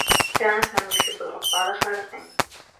كان سامي يحبّ الأبطال خارقين.